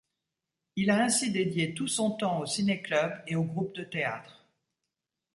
Il a ainsi dédié tout son temps au ciné-club et au groupe de théâtre.